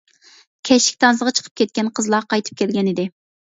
كەچلىك تانسىغا چىقىپ كەتكەن قىزلار قايتىپ كەلگەنىدى.